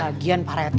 lagian pak rt